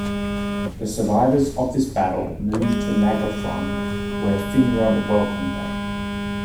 The survivors of this battle moved to Nargothrond, where Finrod welcomed them.